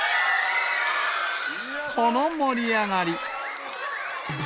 この盛り上がり。